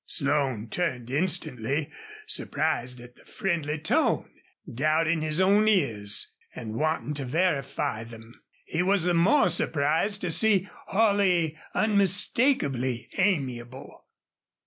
Slone turned instantly, surprised at the friendly tone, doubting his own ears, and wanting to verify them. He was the more surprised to see Holley unmistakably amiable.